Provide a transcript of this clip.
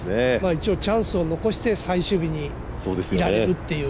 一応、チャンスを残して最終日にいられるっていう。